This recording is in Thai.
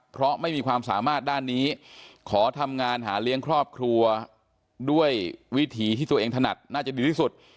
เพราะไม่มีความสามารถด้านนี้ขอทำงานหาเลี้ยงครอบครัวด้วยวิถีที่ตัวเองถนัดน่าจะดีที่สุด